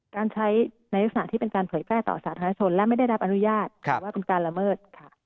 การใช้ในลักษณะที่เป็นการเผยแพร่ต่อสาธารณชนและไม่ได้รับอนุญาตหรือว่าเป็นการละเมิดค่ะ